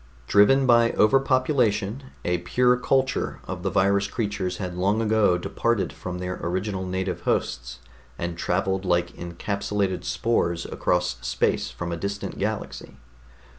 Driven by over population, a pure culture of the virus creatures had long ago departed from their original native hosts, and traveled like encapsulated spores across space from a distant galaxy.